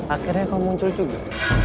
akhirnya kau muncul juga